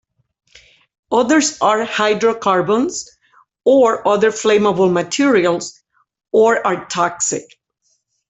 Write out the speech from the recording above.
Others are hydrocarbons or other flammable materials, or are toxic.